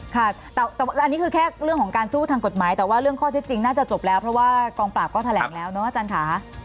ค่ะแต่อันนี้คือแค่เรื่องของการสู้ทางกฎหมายแต่ว่าเรื่องข้อเท็จจริงน่าจะจบแล้วเพราะว่ากองปราบก็แถลงแล้วเนอะอาจารย์ค่ะ